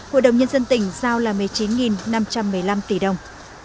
hội đồng nhân dân tỉnh giao là một mươi chín năm trăm một mươi năm tỷ đồng